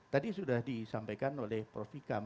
tadi sudah disampaikan oleh prof ikam